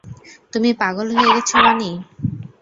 তুমি পাগল হয়ে গেছ, বানি।